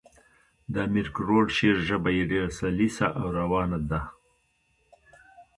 د امیر کروړ شعر ژبه ئي ډېره سلیسه او روانه ده.